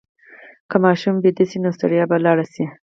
که ماشوم ویده شي، نو ستړیا به لاړه شي.